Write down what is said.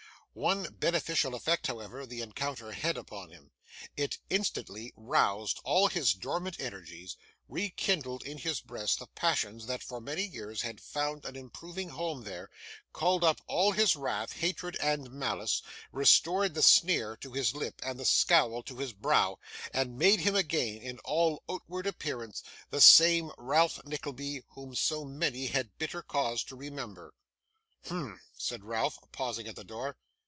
One beneficial effect, however, the encounter had upon him. It instantly roused all his dormant energies; rekindled in his breast the passions that, for many years, had found an improving home there; called up all his wrath, hatred, and malice; restored the sneer to his lip, and the scowl to his brow; and made him again, in all outward appearance, the same Ralph Nickleby whom so many had bitter cause to remember. 'Humph!' said Ralph, pausing at the door.